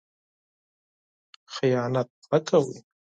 خیانت مه کوئ.